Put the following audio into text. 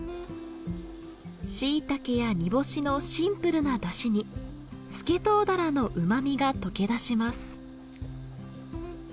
シイタケや煮干しのシンプルなダシにスケトウダラのうまみが溶け出します。